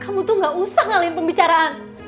kamu itu enggak usah ngalihin pembicaraan